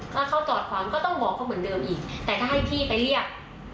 ถ้าเขาจอดขวางก็ต้องบอกเขาเหมือนเดิมอีกแต่ถ้าให้พี่ไปเรียก